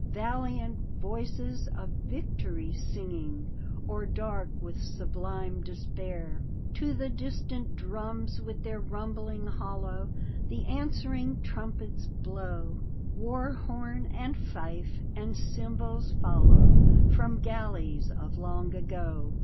Valiant voices, of victory singing. Or dark with sublime despair. D,gt,, erihyGOOglC Sea GhorU 75 To the distant drums with their rumbling hollow, The answering trumpets blow: War hom and fife and cymbals follow, From galleys of long ago.